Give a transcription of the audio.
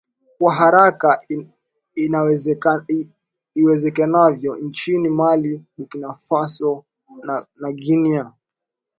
kwa haraka iwezekanavyo nchini Mali Burkina Faso na Guinea